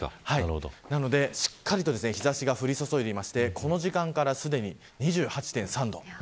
なのでしっかりと日差しが降り注いでいてこの時間からすでに２８．３度。